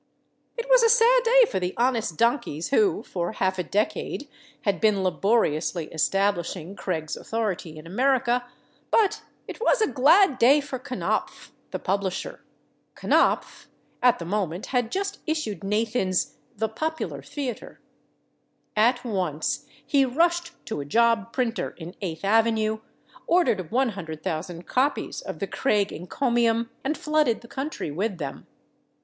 It was a sad day for the honest donkeys who, for half a decade, had been laboriously establishing Craig's authority in America, but it was a glad day for Knopf, the publisher. Knopf, at the moment, had just issued Nathan's "The Popular Theater." At once he rushed to a job printer in Eighth avenue, ordered 100,000 copies of the Craig encomium, and flooded the country with them.